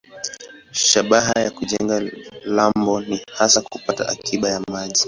Shabaha ya kujenga lambo ni hasa kupata akiba ya maji.